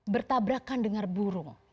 bertabrakan dengan burung